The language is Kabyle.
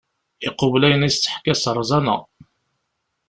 Iqubel ayen i as-d-teḥka s rẓana.